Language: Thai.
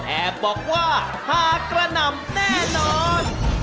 บอกว่าหากกระหน่ำแน่นอน